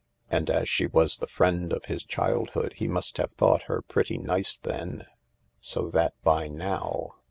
" And as she was the friend of his childhood he must have thought her pretty nice then. So that by now